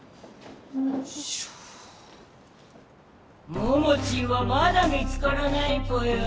モモチーはまだ見つからないぽよ？